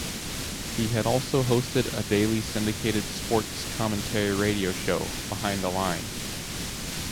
He had also hosted a daily syndicated sports commentary radio show, Behind the Line.